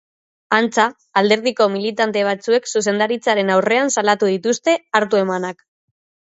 Antza, alderdiko militante batzuek zuzendaritzaren aurrean salatu dituzte hartu-emanak.